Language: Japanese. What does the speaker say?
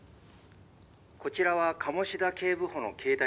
「こちらは鴨志田警部補の携帯でしょうか？」